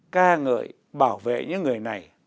ca ngợi bảo vệ những người này